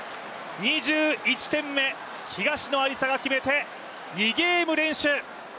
２１点目、東野有紗が決めて２ゲーム連取。